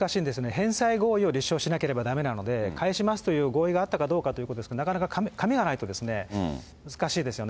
返済合意を立証しなければならないので、返しますという合意があったかどうかということですから、なかなか紙がないと、難しいですよね。